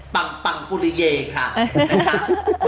ปังปังปูเรเยนะคะ